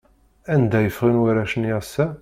Anda i ffɣen warrac-nni ass-a?